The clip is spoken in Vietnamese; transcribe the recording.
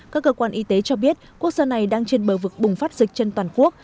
các cơ quan y tế cho biết quốc gia này đang trên bờ vực bùng phát dịch trên toàn quốc